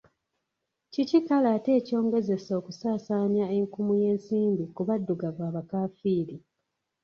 Kiki kale ate ekyongezesa okusaasaanya enkumu y'ensimbi ku baddugavu abakaafiiri?